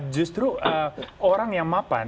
justru orang yang mapan